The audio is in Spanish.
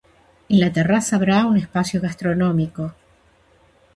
En la terraza habrá un espacio gastronómico.